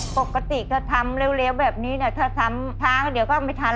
ปกติถ้าทำเร็วแบบนี้ถ้าทำช้าก็เดี๋ยวก็ไม่ทัน